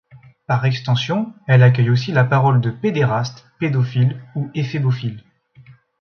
Par extension, elle accueille aussi la parole de pédéraste, pédophile ou éphébophile.